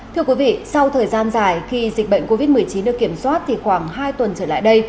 thưa quý vị sau thời gian dài khi dịch bệnh covid một mươi chín được kiểm soát thì khoảng hai tuần trở lại đây